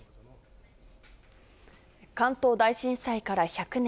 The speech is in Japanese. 関東大震災から１００年。